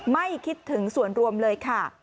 ไม่คิดถึงส่วนรวมเลยค่ะ